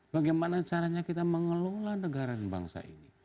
bagaimana caranya kita mengelola negara dan bangsa ini